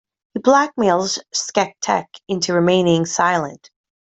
He blackmails skekTek into remaining silent.